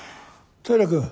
平君。